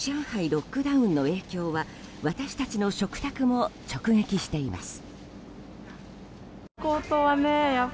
ロックダウンの影響は私たちの食卓も直撃しています。